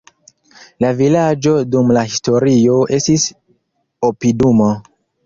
La vilaĝo dum la historio estis opidumo.